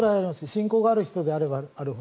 信仰がある人であれば。